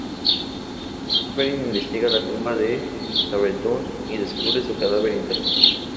Wolverine investiga la tumba de Sabretooth y descubre su cadáver intacto.